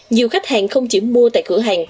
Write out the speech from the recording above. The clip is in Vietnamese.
nhiều khách hàng không chỉ mua tại cửa hàng